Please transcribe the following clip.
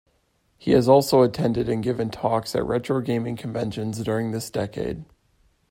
He has also attended and given talks at retrogaming conventions during this decade.